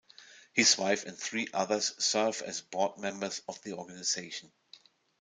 His wife and three others serve as board members of the organization.